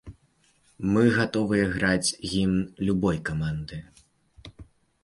Мы гатовыя граць гімн любой каманды.